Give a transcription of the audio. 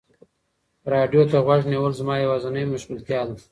راډیو ته غوږ نیول زما یوازینی مشغولتیا ده.